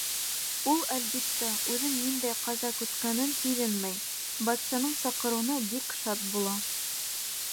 Ул, әлбиттә, үҙен ниндәй ҡаза көткәнен һиҙенмәй, батшаның саҡырыуына бик шат була.